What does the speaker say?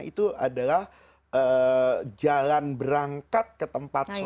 itu adalah jalan berangkat ke tempat sholat